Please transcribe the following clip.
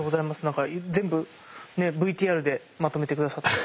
何か全部ＶＴＲでまとめて下さった。